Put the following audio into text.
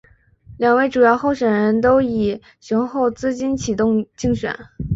两位主要候选人都以雄厚资金启动竞选。